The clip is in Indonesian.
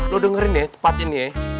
lo dengerin deh tepatnya nih ya